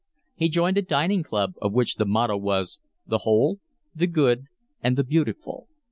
He joined a dining club of which the motto was, The Whole, The Good, and The Beautiful.